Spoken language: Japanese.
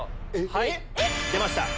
出ました。